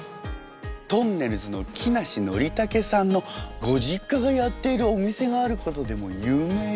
とんねるずの木梨憲武さんのご実家がやっているお店があることでも有名よね。